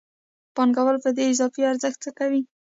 پانګوال په دې اضافي ارزښت څه کوي